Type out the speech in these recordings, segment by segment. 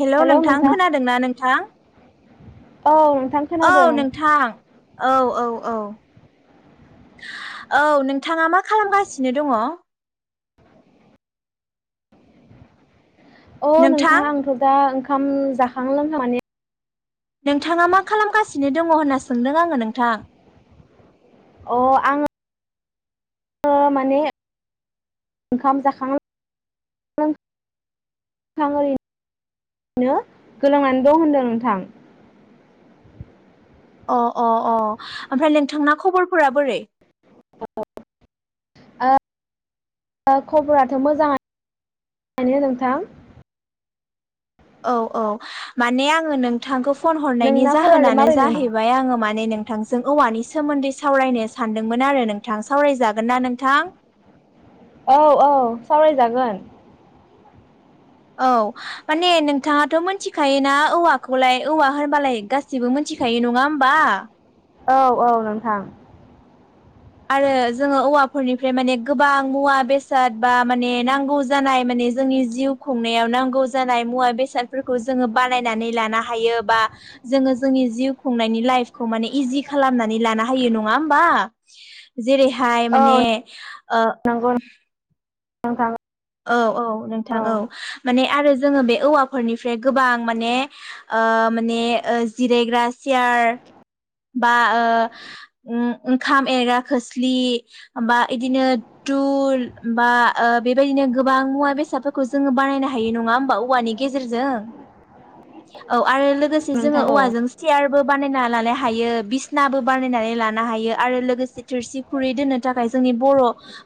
हेल' नोंथां खोनादोंना नोंथां? औ औ खोनादों नोंथां औ औ औ। औ नोंथाङा मा खालामगासिनो दङ? अ नोंथां नोंथाङा आंथ' दा ओंखाम जाखां लोंखां माने नोंथाङा मा खालामगासिनो दङ होनना सोंदों आङो नोंथां? अ आङो अ माने ओंखाम जाखां [unintelligible] ओरैनो गोलांनानै दं होनदों नोंथां। अ अ अ ओमफ्राय नोंथांना खबरफोरा बोरै? औ खबराथ' मोजाङानोनो नोंथां। औ औ माने आङो नोंथांखौ फन हरनायनि नोंना खबरालाय जाहोनानो माबोरै नोंथां जाहैबाय आङो माने नोंथांजों औवानि सोमोन्दै सावरायनो सानदोंमोन आरो नोंथां सावरायजागोन ना नोंथां? औ औ सावरायजागोन। औ माने नोंथाङाथ' मिथिखायोना औवाखौलाय औवा होनबालाय गास सैबो मिथिखायो नङा होमबा? औ औ नोंथां। आरो जोङो औवा फोरनिफ्राय माने गोबां मुवा बेसाद बा माने नांगौ जानाय माने जोंनि जिउ खुंनायाव नांगौ जानाय मुवा बेसादफोरखौ जोङो बानायनानै लानो हायो बा जोङो जोंनि जिउ खुंनायनि लाइफखौ माने इजि खालामनानै लानो हायो नङा होमबा? जेरैहाय औ माने ओ- नंगौ नोंथां औ औ नोंथां औ माने आरो जोङो बे औवाफोरनिफ्राय गोबां माने ओ- माने ओ- जिरायग्रा सियार। बा ओ-उम ओंखाम एरग्रा खोस्लि बा इदिनो तुल बा ओ- बेबायदिनो गोबां मुवा बेसादफोरखौ जोङो बानायनो हायो नङा होमबा औवानि गेजेरजों? औ आरो लोगोसे जोङो नोंथां औ औवाजों सियार बो बानायना लानाय हायो बिसनाबो बानायनानै लानो हायो आरो लोगोसे थोरसि खुरै दोननो थाखाय जोंनि बर'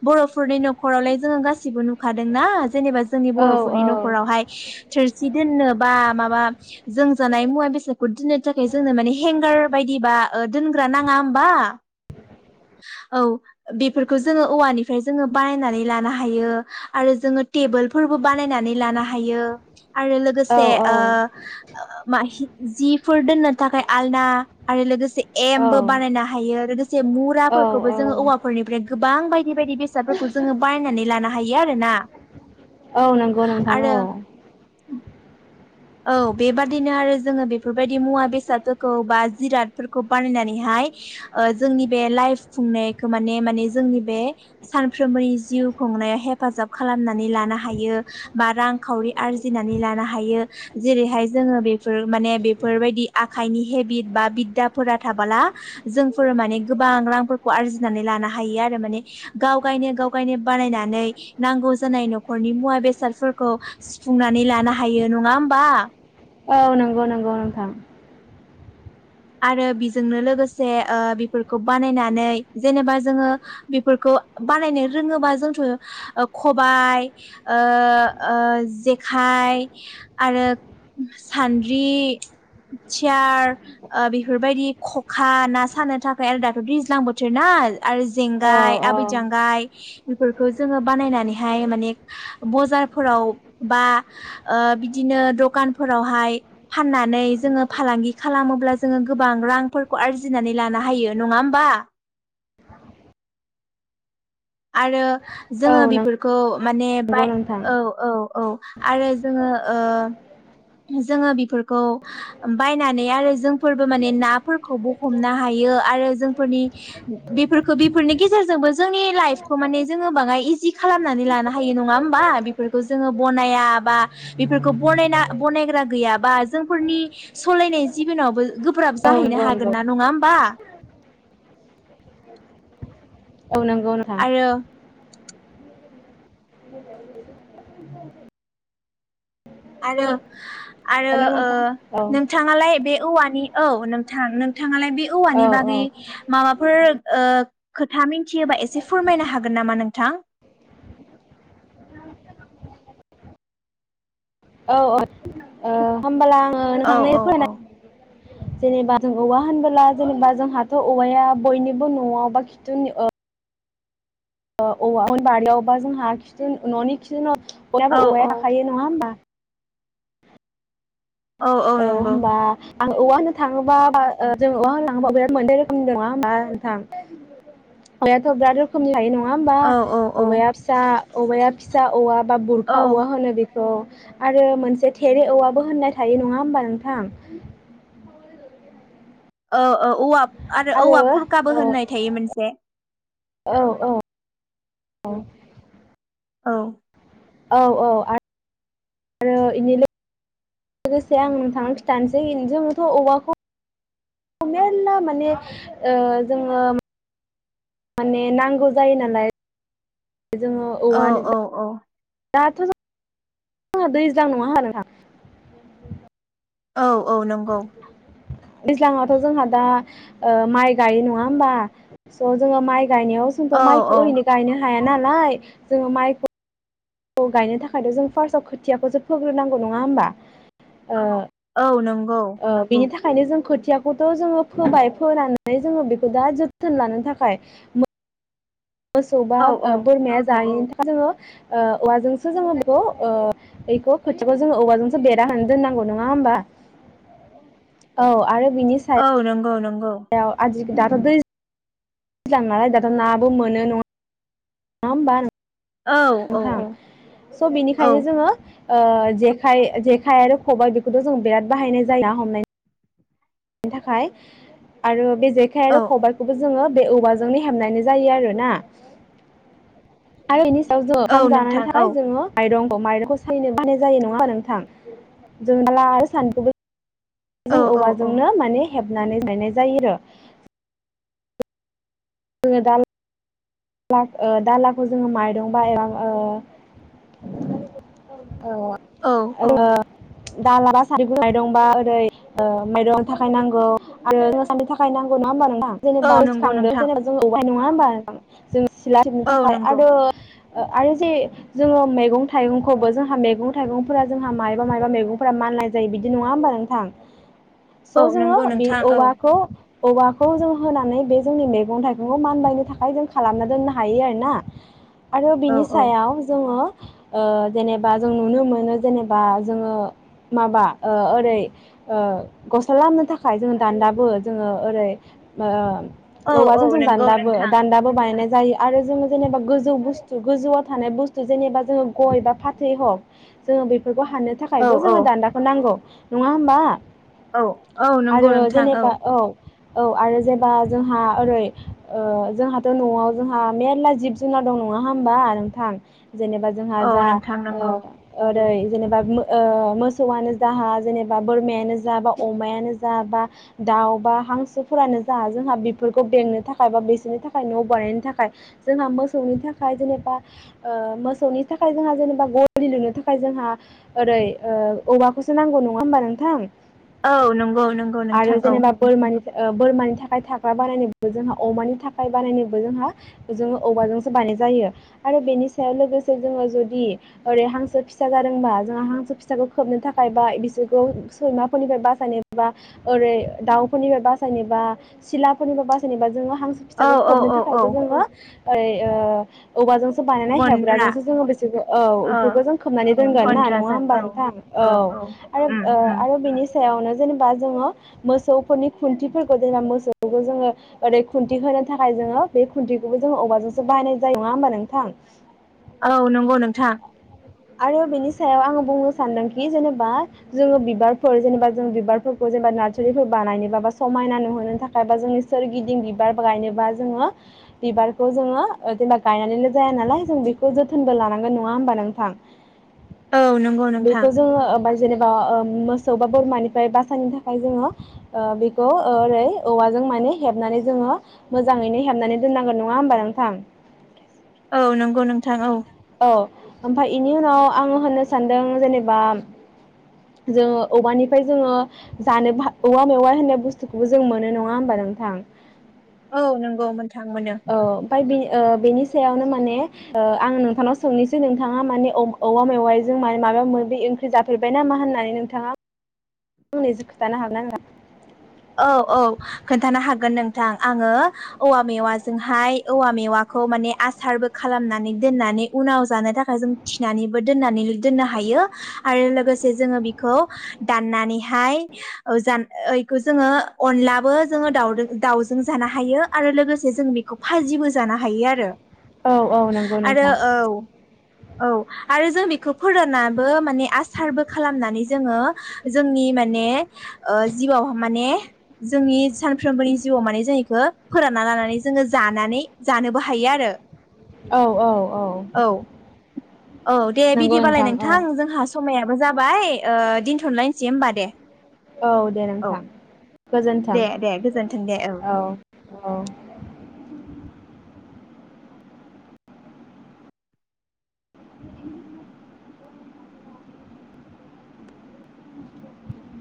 बर'फोरनि न'खरावलाय जोङो गासिबो नुखादोंना। जेनेबा जोंनि औ औ बर'फोरनि न'खरावहाय थोरसिआव सि दोननो बा माबा जों जानाय मुवा बेसादखौ दोननो थाखाय जोंनो मान हेंगार। बायदिबा ओ-दोनग्रा नाङा होमबा? औ बेफोरखौ जोङो औवानिफ्राय जोङो बानायनानै लानो हायो आरो जोङो टेबोल फोरबो बानायनानै लानो हायो। आरो औ लोगोसे ओ-ओ- मा-हि- जिफोर दोननो थाखाय आलना, आरो लोगोसे औ एमबो बानायनो हायो लोगोसे औ मुराफोरखौबो औ जोङो औवाफोरनिफ्राय। गोबां बायदि बायदि बायदि बेसादफोरखौ जोङो बायनानै लानो हायो आरोना। औ नंगौ नोंथां आरो औ। औ बेबादिनो आरो जोङो बेफोरबायदि मुवा बेसादफोरखौ बा जिरादफोरखौ बानायनानैहाय ओ-जोंनि बे लाइफ खुंनायखौ माने माने जोंनि बे सानफ्रोमबोनि जिउ खुंनायाव हेफाजाब खालामनानै लानो हायो बा रांखावरि आरजिनानै लानो हायो। जेरैहाय जोङो बेफोर माने बेफोरबायदि आखाइनि हेबिट बा बिद्दाफोरा थाबोला जोंफोर माने गोबां रांफोरखौ आरजिनानै लानो हायो आरो माने गाव गायनो गाव गायनो बानायनानै नांगौ जानाय न'खरनि मुवा बेसादफोरखौ सुफुंनानै लानो हायो नङा होम बा औ नंगौ नंगौ नोंथां। आरो बिजोंनो लोगोसे ओ बेफोरखौ बानायनानै जेनेबा जोङो बेफोरखौ बानायनो रोङोबा जोंथ' खबाय ओ ओ जेखाइ आरो सान्द्रि सियार ओ बेफोरबायदि खखा ना सानो थाखाय आरो दाथ' दैज्लां बोथोर ना आरो औ जेंगाय औ आबै जांगाय बेफोरखौ जोङो बानायनानैहाय माने बजारफोराव बा बिदिनो दखानफोरावहाय फाननानै जोङो फालांगि खालामोब्ला जोङो गोबां रांफोरखौ आरजिनानै लानो हायो नङा होमबा आरो जोङो औ बेफोरखौ माने नंगौ बाय नोंथां औ औ औ आरो जोङो ओ जोङो बेफोरखौ बायनानै आरो जोंफोरबो माने नाफोरखौबो हमनो हायो आरो जोंफोरनि बेफोरखौ बेफोरनि गेजेरजोंबो जोंनि लाइफ खौ माने जोङो बाङाय इजि खालामनानै लानो हायो नङा होमबा बेफोरखौ जोङो बनाय बा बेफोरखौनायना बनायग्रा गैयाबा जोंफोरनि सालयनाय जिबनावबो गोब्राब औ जाहैनो नंगौ हागोन नंगौ नङा होमबा औ नंगौ नोंथां आरो आरो आरो हेल' ओ नोंथां औ नोंथाङालाय बे औवानि औ नोंथां नोंथाङालाय बे औ औवानि औ बागै माबा फोर ओ खोथा मिथियोबा एसे फोरमायनो हागोन नामा नोंथां औ औ ओ होमबाला औ-औ-औ जेनेबा जों औवा होनबोला जेनेबा जोंहाथ' औवाया बयनिबो न'आव बा खिथु उननि ओ ओ औवा [unintelligible] बारियाव बा जोंहा खिथु न'नि खिथु उनाव औ बयहाबो औवाया औ थाखायो नङा होमबा औ औ नंगौ आं औवा होनो थाङोबा बा ओ जों औवा होननो थाङोबा औवाया मोननै रोखोमनि नङा होमबा नोंथां औवायाथ' बिराद रोखोमनि थायो नङा [unintelligible] नङा होमबा औ औ औ औवाया फिसा औमाया फिसा औवा बा औ बुरखा औवा होनो बे खौ आरो मोनसे थेरे औवाबो होननाय थायो नङा होमबा नोंथां ओ-ओ-ओ आरो औवा फुरखाबो होननाय थायो मोनसे औ-औ-औ औ औ औ आरो इनि लोगोसे आं नोंथांनो खिन्थानोसै जोंथ' औवाखौ मेरला माने जोङो माने नांगौ जायो नालाय जोङो औ औवानि औ बा औ दाथ' जो [unintelligible] दैज्लां नङा होमबा नोंथां औ औ नंगौ दैज्लाङावथ' जोंहा दा ओ माइ गायो नङा होमबा स' जोङो माइ गायनायाव औ जोंथ' औ माइखौ ओरै गायनो हा हाया नालाय जोङो माइखौ खौ गायनो थाखायथ' जों फार्स्टआव खोथियाखौसो फोग्रोनांगौ नङा होमबा ओ औ नों ओ बेनि था खायनो जों खोथियाखौथ' जोङो फोबाय फोनानै जोङो बेखौ दा जोथोन लानो थाखाय मोसौ बा औ ओ औ बोरमाया जायैनि था आरो जों औवाजोंसो जोङो बेखौ ओ बेखौ खोथिखौ जोङो औवाजोंसो बेरा होनो दोननांगौ नङा होमबा औ आरो औ नोंगौ नों याव आजि दाथ' दै मोजां नालाय दाथ' नाबो मोनो नङा नङा होमबा औ औ नोथां औ स' औ बेनिखायनो जोङो ओ जेखाय जेखाइ आरो खबाइ बेखौथ' जों बिराद बाहायनाय जायो ना हमनाय नि थाखाय आरो बे जेखाइ आरो औ खबायाइखौबो जोङो बे औवाजोंनो हेबनानै जायो आरो ना आरो बेनि सायाव जों औ ओंखाम जानानै नोंथां औ थाखाय जोङो माइरं माइरंखौ सालिनो बानाय जायो नङाबा नोंथां जोंबोला आरो [unintelligible] जों औ औ औ औवाजोंनो माने हेबनानै बानायनाय जायो। जोङो दाल दाला ओ दालाखौ जोङो माइरंबा एबा औ ओ औ औ दालाबा सान्द्रि मायरं बा ओरै ओ माइरंनि थाखाय नांगौ आरो जोसानि थाखाय नांगौ नङा होमबा नोंथां औ जेनेबा नंगौ गोसोखांदों नोंथां जेनेबा जों औवा नि नंङा होमबा नोथां? जोंङो सिला सिबनो औ थाखाय नंगौ आरो ओ आरो एसे जोङो मैगं थाइगंखौबो जोंहा मैगं थाइगंफोरा जोंहा मायबा मायबा मैगंफोरा माननाय जायो बिदि नङा होमबा नोंथां औ स' जोङो नंगौ बे नोंथां औ औवाखौ औवा खौ जों होनानै बे जोंनि मैगं थाइगंखौ मानबायनो थाखाय जों खालामना दोननो हायो आरोना आरो औ बिनि औ सायाव जोङो ओ जेनेबा जों नुनो मोनो जेनेबा जोङो माबा ओ ओरै ओ गस्ला लामनो थाखाय जोङो दान्दाबो जोङो ओरै ओ। औ औवा औ जोंङो नंगौ दान्दाबो नोंथां दान्दाबो बाना माने जायो आरो जेनेबा गोजौ गोजौ बुसथु गोजौयाव थानाय बुसथु जेनेबा गयबा फाथैयह जोंङो बे फोरखौ हानो औ थाखायबो औ जोङो दान्दाखौ नांगौ। नङा होमबा। औ औ नंगौ आरो नोंथां औ। जेनेबा औ आरो जेबा जोंहा ओरै ओ जोंहाथ' न'आव जोंहा मेर्ला जिब जुनार दं नङा होमबा नोंथां। जेनेबा जोंहा औ जा नोंथां ओ नंगौ ओरै जेनेबा मो ओ मोसौआनो जाहा जेनेबा बोरमायानो जा बा अमायानो जा बा दाउ बा हांसोफोरानो जा जोंहा बेफोरखौ बेंनो थाखाय बा बेसोरनो थाखाय। खाय न' बानायनो थाखाय जोंहा मोसौनि थाखाय जेनेबा ओ मोसौनि थाखाय जोंहा जेनेबा गलि लुनो थाखाय जोंहा ओरै ओ औवाखौसो नांगौ नङा होमबा नोंथां। औ नंगौ नंगौ नोंथां आरो औ। जेनेबा बोरमानि ओ बोरमानि थाखाय थाग्रा बानायनोबो जोंहा अमानि थाख खाय बानायनोबो जोंहा जोङो औवाजोंसो बानाय जायो आरो बेनि सायाव लोगोसे जोङो जुदि ओरै हांसो फिसा जादोंबा जोंहा हांसो फिसाखौ खोबनो थाखाय बाय बिसोरखौ सैमाफोरनिफ्राय बासायनोबा ओरै दाउफोरनिफ्राय बासायनोबा सिलाफोरनिफ्राय बासायनोबा जोङो हांसो औ फिसाखौ औ खोबनो औ औ थाखायबो जोङो ओरै ओ। औवाजोंसो बानायनाय गन्द्रा हेबग्राजोंसो जोङो बेसोरखौ औ ओ बेफोरखौ जों खोबनानै दोनगोन ना नङा गन्द्राजों होमबा औ नोंथां औ आरो उम ओ उम आरो बेनि सायावनो जेनेबा जोङो मोसौफोरनि खुन्थिफोरखौ जोंना मोसौखौ जोङो ओरै खुन्थि होनानै। थाखाय जोङो बे खुन्थिखौबो जोङो औवाजोंसो बाहायनाय जायो नङा होमबा नोंथां। औ नंगौ नोंथां। आरो बेनि सायाव आङो बुंनो सानदोंखि जेनेबा जोङो बिबारफोर जेनेबा जों बिबारफोरखौ जेनेबा नार्सारिफोर बानायनोबा बा समायना नुहोनो थाखाय बा जोंनि सोरगिदिं बिबार गायनोबा जोङो बिबारखौ जोङो ओ जेनेबा गायनानैल जाया नालाय जों बेखौ जोथोनबो लानांगोन नङा होमबा नोंथां। औ नंगौ नोंथां बेखौ जोङो ओमबाय। जेनेबा ओ मोसौ बा बोरमानिफ्राय बासायनो थाखाय जोङो ओ बेखौ ओरै औवाजों माने हेबनानै जोङो मोजाङैनो हेबनानै दोननांगोन नङा होमबा नोंथां। औ नंगौ नोंथां औ। औ ओमफाय एनि उनाव आङो होननो सानदों जेनेबा जोङो औवानिफाय जोङो जानो भा औवा मेवाइ होननो बुस्थुखौबो जों मोनो नङा होमबा नोंथां। औ नंगौ मोन। औ ओमफाय बे ओ बेनि सायावनो माने। औ आं नोंथांनाव सोंनिसो नोंथाङा माने औ औवा मेवाइजों माय माबा माबि ओंख्रि जाफेरबाय नामा होननानै नोंथाङा। [unintelligible] खिथानो [unintelligible] औ औ खोन्थानो हागोन नोंथां आङो औवा मेवाजोंहाय औवा मेवाखौ माने आसारबो खालामनानै दोननानै उनाव जानो थाखाय जों थिनानैबो दोननानैलै दोननो हायो आरो लोगोसे जोङो बेखौ दाननानैहाय औ जानो यै बेखौ जोङो अनलाबो जोङो दाउ दाउजों जानो हायो आरो लोगोसे जों बेखौ फाजिबो जानो हायो आरो। औ औ नंगौ आरो नोंथां। औ औ आरो जों बेख फो फोरानाबो माने आस सारबो खालामनानै जोङो जोंनि माने ओ जिउआव माने जोंनि सानफ्रोमबोनि जिउआव माने जों इखो फोरानना लानानै जोङो जानानै जानोबो हायो आरो। औ औ औ औ दे नंगौ बिदिबालाय नोंथां औ जोंहा समाया बो जाबाय ओ दोनथलायनोसै होमबा दे । औ दे नोंथां । दे गोजोन्थों दे गोजोन्थों दे औ औ